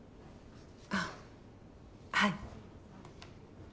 あっはい。